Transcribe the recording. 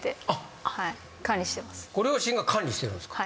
ご両親が管理してるんですか？